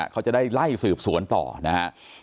เขาจะได้ไล่สืบสวนต่อนะครับ